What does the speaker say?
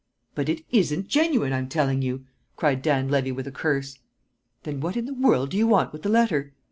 "But it isn't genuine, I'm telling you!" cried Dan Levy with a curse. "Then what in the world do you want with the letter?